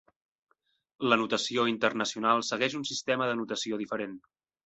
La notació internacional segueix un sistema de notació diferent.